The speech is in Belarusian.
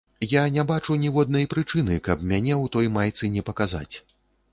Я не бачу ніводнай прычыны, каб мяне ў той майцы не паказаць.